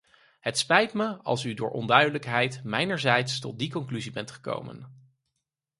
Het spijt mij als u door onduidelijkheid mijnerzijds tot die conclusie bent gekomen.